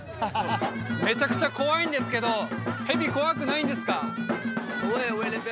めちゃくちゃ怖いんですけどヘビ怖くないんですか？